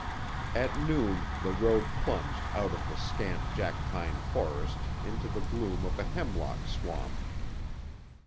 At noon the road plunged out of the scant jack pine forest into the gloom of a hemlock swamp.